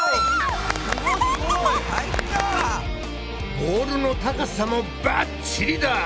ボールの高さもバッチリだ！